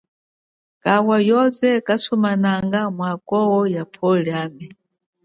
Kawa yono kasumananga mwanako ya pwo liami.